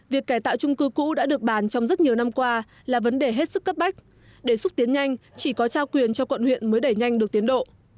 việc cải tạo trung cư cũ đã được bàn trong rất nhiều năm qua là vấn đề hết sức cấp bách để xúc tiến nhanh chỉ có trao quyền cho quận huyện mới đẩy nhanh được tiến độ